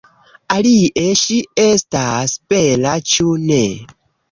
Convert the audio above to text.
Alie, ŝi estas bela, ĉu ne?